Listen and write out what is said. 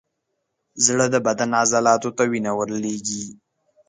زړه د بدن عضلاتو ته وینه لیږي.